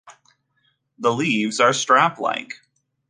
The leaves are strap-like.